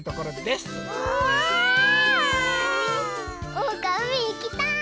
おうかうみいきたい！